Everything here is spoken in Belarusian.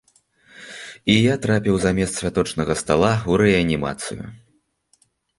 І я трапіў замест святочнага стала ў рэанімацыю.